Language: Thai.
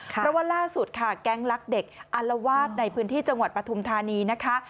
เพราะว่าล่าสุดค่ะแก๊งลักเด็กอารวาสในพื้นที่จังหวัดปฐุมธานีนะคะ